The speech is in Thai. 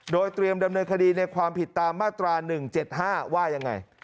โดยเตรียมดำเนินคดีในความผิดตามมาตรา๑๗๕ว่ายังไง